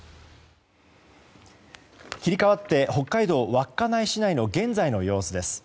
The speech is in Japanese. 切り替わって北海道稚内市内の現在の様子です。